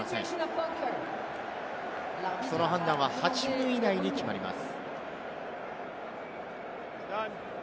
その判断は８分以内に決まります。